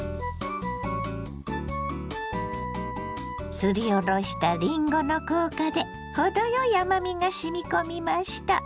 すりおろしたりんごの効果で程よい甘みがしみ込みました。